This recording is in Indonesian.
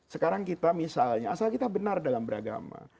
sekarang kita misalnya asal kita benar dalam beragama